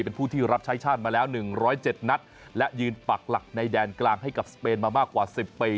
เป็นผู้ที่รับใช้ชาติมาแล้ว๑๐๗นัดและยืนปักหลักในแดนกลางให้กับสเปนมามากกว่า๑๐ปี